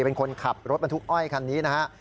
เป็นคนขับรถบรรทุกอ้อยคันนี้นะฮะ